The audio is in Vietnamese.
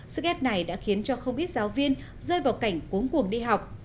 sức ép này đã khiến cho không ít giáo viên rơi vào cảnh cuốn cuồng đi học